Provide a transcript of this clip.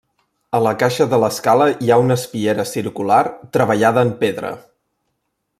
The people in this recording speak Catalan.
A la caixa de l'escala hi ha una espiera circular treballada en pedra.